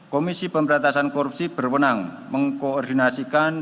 komisi pemberantasan korupsi berwenang mengkoordinasikan